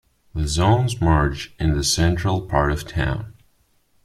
The zones merge in the central part of town.